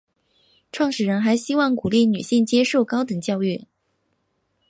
创始人还希望鼓励女性接受高等教育。